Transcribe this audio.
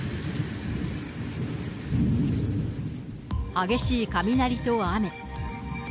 激しい雷と雨。